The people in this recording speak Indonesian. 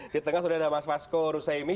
di tengah sudah ada mas fasko ruseimi